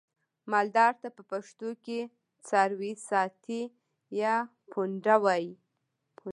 مالدار ته په پښتو کې څارويساتی یا پوونده وایي.